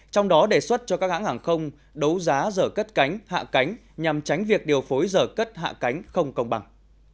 trong đó đề xuất cho các hãng hàng không đấu giá giờ cất cánh hạ cánh nhằm tránh việc điều phối giờ cất hạ cánh không công bằng